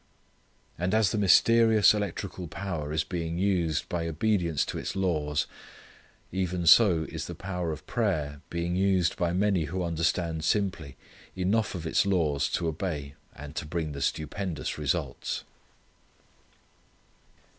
And as the mysterious electrical power is being used by obedience to its laws, even so is the power of prayer being used by many who understand simply enough of its laws to obey, and to bring the stupendous results.